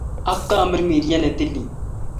Ak Tamirmiriet ne Tilil.